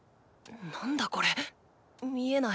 何だこレ見エない。